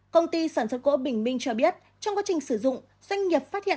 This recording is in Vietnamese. công ty sản xuất gỗ bình minh cho biết trong quá trình sử dụng doanh nghiệp phát hiện